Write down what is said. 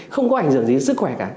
không có ảnh dưỡng gì đến sức khỏe cả